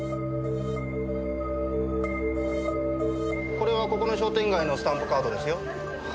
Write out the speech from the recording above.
これはここの商店街のスタンプカードですよ。